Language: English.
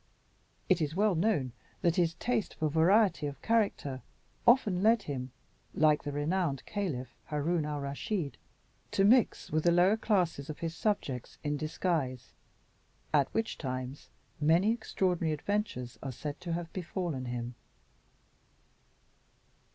It is well known that his taste for variety of character often led him, like the renowned Caliph Haroun Al Raschid, to mix with the lower classes of his subjects in disguise, at which times many extraordinary adventures are said to have befallen him.